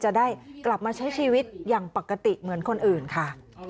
จะได้กลับมาใช้ชีวิตอย่างปกติเหมือนคนอื่นค่ะ